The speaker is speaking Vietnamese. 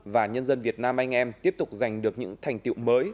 và nhân dân việt nam anh em tiếp tục giành được những thành tiệu mới